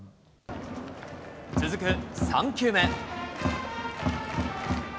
続く３球目。